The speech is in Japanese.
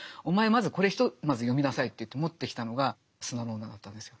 まずこれひとまず読みなさいと言って持ってきたのが「砂の女」だったんですよ。